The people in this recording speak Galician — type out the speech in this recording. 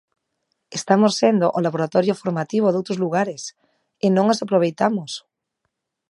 Estamos sendo o laboratorio formativo doutros lugares, e non os aproveitamos.